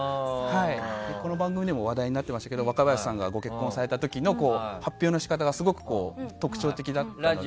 この番組でも話題になってましたけど若林さんがご結婚された時の発表の仕方がすごく特徴的だったので。